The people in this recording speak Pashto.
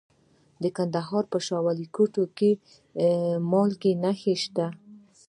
د کندهار په شاه ولیکوټ کې د مالګې نښې شته.